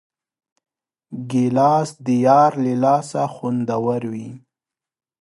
ګیلاس د یار له لاسه خوندور وي.